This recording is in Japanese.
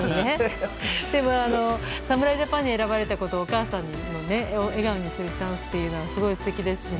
でも、侍ジャパンに選ばれたことをお母さんを笑顔にするチャンスといったのはすごい素敵ですしね。